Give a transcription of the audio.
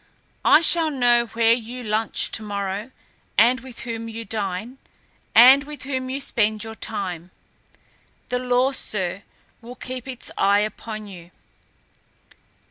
I shall know where you lunch to morrow and with whom you dine, and with whom you spend your time. The law, sir, will keep its eye upon you."